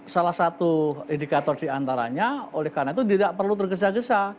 salah satu indikator diantaranya oleh karena itu tidak perlu tergesa gesa